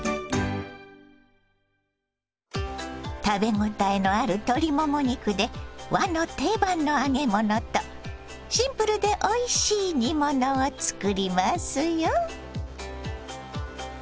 食べ応えのある鶏もも肉で和の定番の揚げ物とシンプルでおいしい煮物を作りますよ。